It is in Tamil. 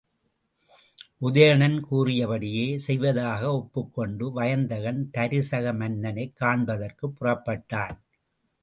உதயணன் கூறியபடியே செய்வதாக ஒப்புக்கொண்டு வயந்தகன், தருசக மன்னனைக் காண்பதற்குப் புறப்பட்டான்.